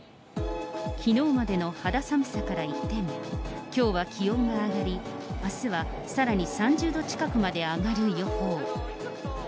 きのうまでの肌寒さから一転、きょうは気温が上がり、あすはさらに３０度近くまで上がる予報。